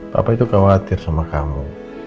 bapak itu khawatir sama kamu